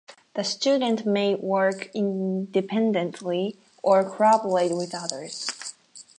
The student may work independently or collaborate with others.